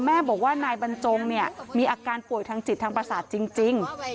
แม่บอกว่านายบรรจงเนี่ยมีอาการป่วยทางจิตทางประสาทจริง